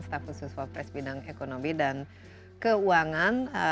staf khusus for press bidang ekonomi dan keuangan